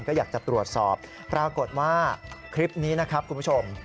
ก็อยากจะตรวจสอบปรากฏว่าคลิปนี้นะครับคุณผู้ชม